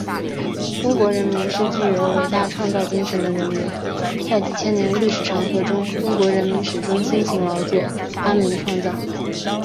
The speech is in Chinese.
中国人民是具有伟大创造精神的人民。在几千年历史长河中，中国人民始终辛勤劳作、发明创造……传承了萨格尔王、玛纳斯、江格尔等震撼人心的伟大史诗……